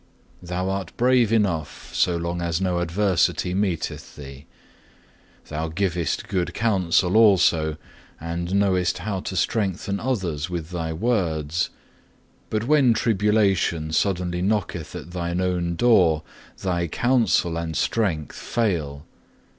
Thou art brave enough, so long as no adversity meeteth thee. Thou givest good counsel also, and knowest how to strengthen others with thy words; but when tribulation suddenly knocketh at thine own door, thy counsel and strength fail.